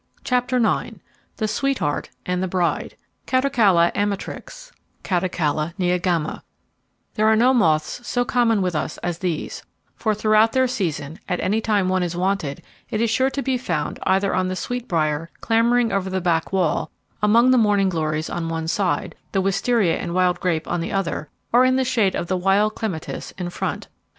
CHAPTER IX The Sweetheart and the Bride: Catocala Amatyix Catocala Neogama There are no moths so common with us as these, for throughout their season, at any time one is wanted, it is sure to be found either on the sweetbrier clambering over the back wall, among the morning glories on one side, the wistaria and wild grape on the other, or in the shade of the wild clematis in front.